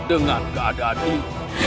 dengan keadaan ini